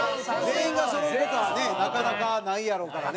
全員がそろう事はねなかなかないやろうからね。